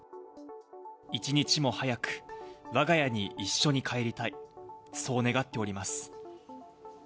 一日も早くわが家に一緒に帰りたい、そう願っております。